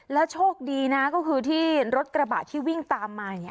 แล้วโชคดีน่ะก็คือที่รถกระบาดที่วิ่งตามมาเนี่ย